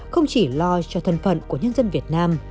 không chỉ lo cho thân phận của nhân dân việt nam